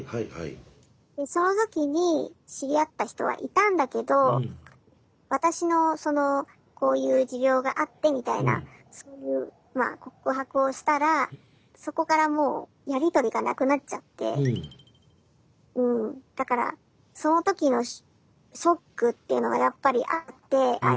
その時に知り合った人はいたんだけど私のそのこういう持病があってみたいなそういうまあ告白をしたらそこからもうやり取りがなくなっちゃってうんだからその時のショックっていうのがやっぱりあってああ